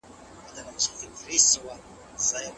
پټه خبره به بالاخره هر چا ته معلومه شي.